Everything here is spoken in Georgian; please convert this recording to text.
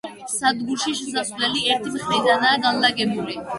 სადგურში შესასვლელი ერთი მხრიდანაა განლაგებული.